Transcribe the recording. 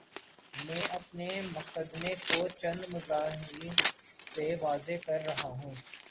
میں اپنے مقدمے کو چند مظاہر سے واضح کر رہا ہوں۔